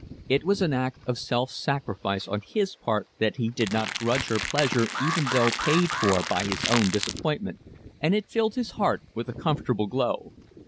It was an act of self sacrifice on his part that he did not grudge her pleasure even though paid for by his own disappointment, and it filled his heart with a comfortable glow.